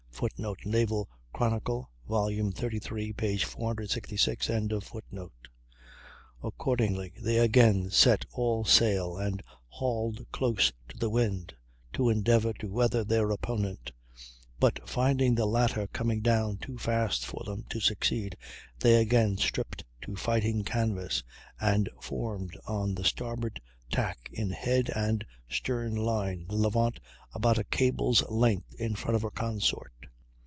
[Footnote: "Naval Chronicle," xxxiii, 466.] Accordingly they again set all sail and hauled close to the wind to endeavor to weather their opponent; but finding the latter coming down too fast for them to succeed they again stripped to fighting canvas and formed on the starboard tack in head and stern line, the Levant about a cable's length in front of her consort.